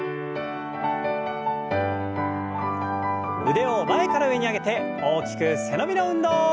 腕を前から上に上げて大きく背伸びの運動。